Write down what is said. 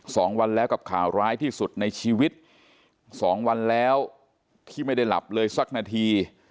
สองวันแล้วกับข่าวร้ายที่สุดในชีวิตสองวันแล้วที่ไม่ได้หลับเลยสักนาที